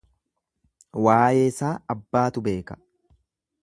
Waayeesaa abbaatu beeka.